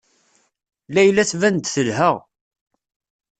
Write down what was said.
Layla tban-d telha.